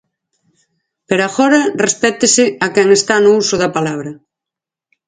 Pero agora respéctese a quen está no uso da palabra.